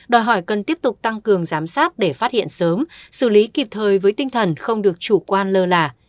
đòi hỏi cần tiếp tục tăng cường giám sát để phát hiện sớm xử lý kịp thời với tinh thần không được chủ quan lơ là